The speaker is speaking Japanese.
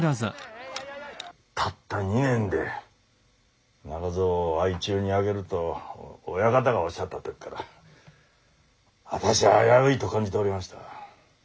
たった２年で中蔵を相中に上げると親方がおっしゃった時から私は危ういと感じておりました。